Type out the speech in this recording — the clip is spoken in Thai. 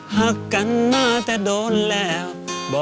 เปิดรายการหล่อมาก